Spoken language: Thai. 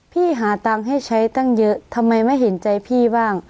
หาตังค์ให้ใช้ตั้งเยอะทำไมไม่เห็นใจพี่บ้าง